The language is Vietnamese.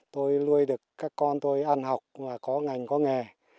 tôi nuôi được các con tôi ăn học và có ngành có nghề